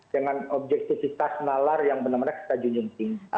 dengan objektivitas malar yang benar benar setajun juntin